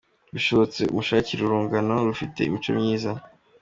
Bishobotse umushakire urungano rufite imico myiza ,.